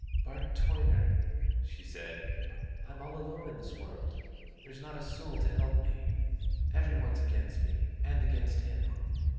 "Bart Toyner," she said, "I'm all alone in this world; there's not a soul to help me. Every one's against me and against him.